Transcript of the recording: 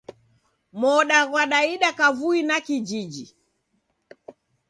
Moda ghwadaida kavui na kijiji.